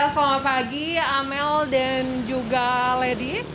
selamat pagi amel dan juga lady